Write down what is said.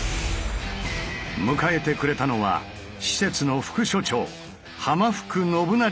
迎えてくれたのは施設の副所長福宣成さん。